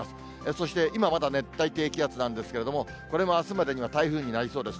そして今まだ熱帯低気圧なんですけれども、これもあすまでに台風になりそうです。